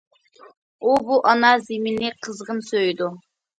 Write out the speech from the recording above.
ئۇ بۇ ئانا زېمىننى قىزغىن سۆيىدۇ.